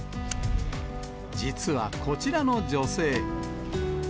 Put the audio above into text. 実は、こちらの女性。